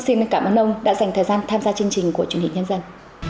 xin cảm ơn ông đã dành thời gian tham gia chương trình của truyền hình nhân dân